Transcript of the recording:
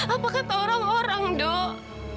apakah orang orang dok